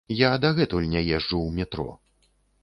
Я дагэтуль не езджу ў метро.